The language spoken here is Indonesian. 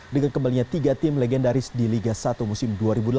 dengan kembalinya tiga tim legendaris di liga satu musim dua ribu delapan belas